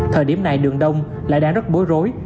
thời điểm này đường đông lại đang rất bối rối